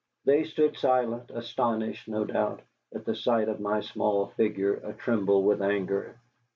They stood silent, astonished, no doubt, at the sight of my small figure a tremble with anger.